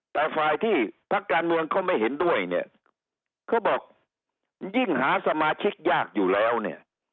แต่ฝ่ายที่พักการเมืองเขาไม่เห็นด้วยเนี่ยเขาบอกยิ่งหาสมาชิกยากอยู่แล้วเนี่ย